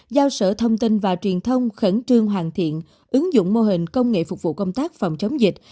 giao sở thông tin và truyền thông khẩn trương hoàn thiện ứng dụng mô hình công nghệ phục vụ công tác phòng chống dịch